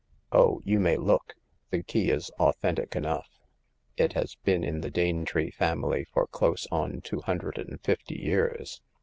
Oh, you may look ! The key is authentic enough. It has been in the Danetree family for close on two hundred and fifty years."